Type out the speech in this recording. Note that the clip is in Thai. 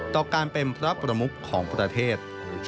ต่อการเป็นพระประมุขของประเทศ